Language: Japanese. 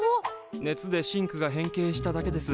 熱でシンクが変形しただけです。